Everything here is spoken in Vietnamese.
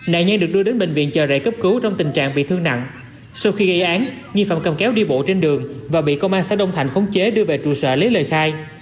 sau khi gây án nhân viên cầm kéo đi bộ trên đường và bị công an xã đông thạnh khống chế đưa về trụ sở lấy lời khai